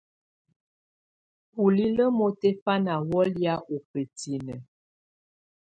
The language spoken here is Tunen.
Bulilǝ́ mutɛ̀fana wù lɛ̀́á ù bǝtinǝ́.